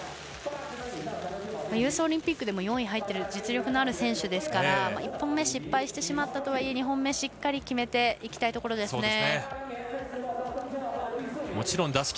ユースオリンピックでも４位に入っている実力のある選手ですから１本目は失敗したとはいえ２本目、しっかり決めていきたいところです。